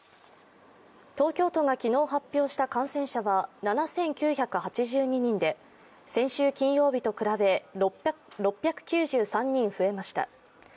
東京都が昨日発表した感染者は７９８２人で先週金曜日と比べ、６９３人増えました。